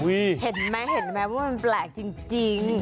อุ๊ยเห็นไหมว่ามันแปลกจริง